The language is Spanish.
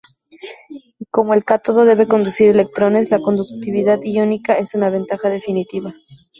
Y como el cátodo debe conducir electrones, la conductividad iónica es una ventaja definitiva.